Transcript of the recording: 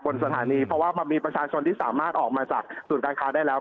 สถานีเพราะว่ามันมีประชาชนที่สามารถออกมาจากศูนย์การค้าได้แล้ว